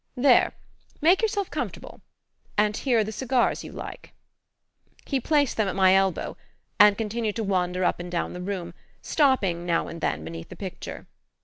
"There: make yourself comfortable and here are the cigars you like." He placed them at my elbow and continued to wander up and down the room, stopping now and then beneath the picture.